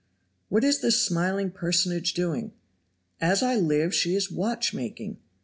What is this smiling personage doing? as I live she is watchmaking!